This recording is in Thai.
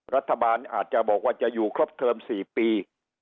รัฐบาลอาจจะบอกว่าจะอยู่ครบเทิม๔ปี